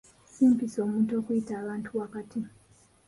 Si mpisa omuntu okuyita abantu wakati.